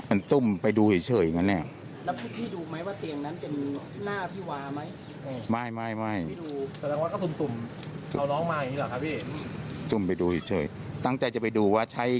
มันตุ้มไปดูเฉยอย่างนั้นแน่แล้วพี่ดูไหมว่าเตียงนั้นเป็นหน้าพี่วาไหม